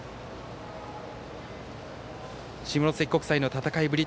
下関国際の戦いぶり